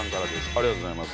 ありがとうございます。